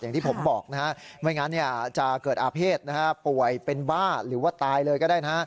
อย่างที่ผมบอกนะฮะไม่งั้นจะเกิดอาเภษป่วยเป็นบ้าหรือว่าตายเลยก็ได้นะฮะ